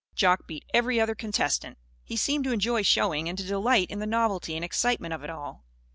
Jock beat every other contestant. He seemed to enjoy showing and to delight in the novelty and excitement of it all.